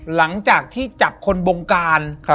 หลังจากที่จับคนบงการ